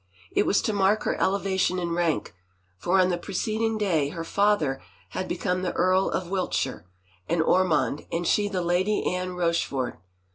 It was to mark her elevation in rank, for on the preceding day her father had become the Earl of Wilt shire and Ormond and she the Lady Anne Rochford.